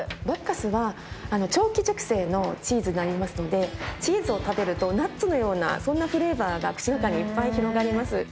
バッカスは長期熟成のチーズになりますのでチーズを食べるとナッツのようなそんなフレーバーが口の中にいっぱい広がります。